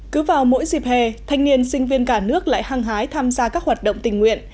cứ vào mỗi dịp hè thanh niên sinh viên cả nước lại hăng hái tham gia các hoạt động tình nguyện